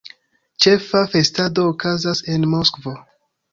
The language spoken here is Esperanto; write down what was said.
Ĉefa festado okazas en Moskvo.